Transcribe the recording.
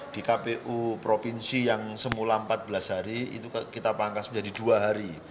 di kpu provinsi yang semula empat belas hari itu kita pangkas menjadi dua hari